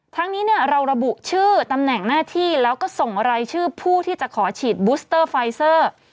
ทั้งนี้เนี่ยเราระบุชื่อตำแหน่งหน้าที่แล้วก็ส่งรายชื่อผู้ที่จะขอฉีดบูสเตอร์ไฟเซอร์